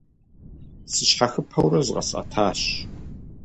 Сыщхьэхыпэурэ зыкъэсӀэтащ.